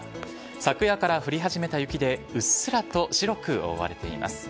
昨夜から降り始めた雪で、うっすらと白く覆われています。